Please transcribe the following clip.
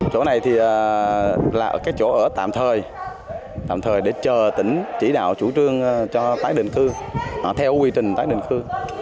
chỗ này thì là ở cái chỗ ở tạm thời tạm thời để chờ tỉnh chỉ đạo chủ trương cho tái định cư theo quy trình tái định cư